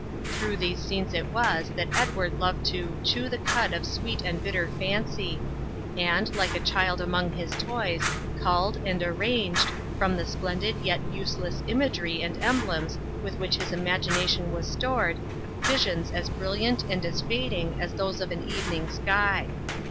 Through these scenes it was that Edward loved to 'chew the cud of sweet and bitter fancy,' and, like a child among his toys, culled and arranged, from the splendid yet useless imagery and emblems with which his imagination was stored, visions as brilliant and as fading as those of an evening sky.